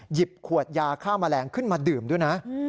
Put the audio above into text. หยิบขวดยาฆ่าแมลงขึ้นมาดื่มด้วยนะ